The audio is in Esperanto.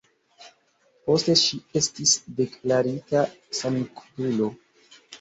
Poste ŝi estis deklarita sanktulo.